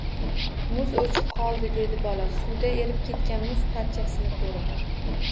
“Muz o’chib qoldi!” dedi bola suvda erib ketgan muz parchasini ko’rib.